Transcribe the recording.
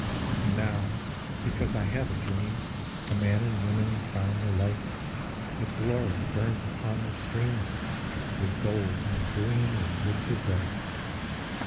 And now, because I have a dream, The man and woman found the light; A glory burns upon the stream, With gold and green the woods are bright.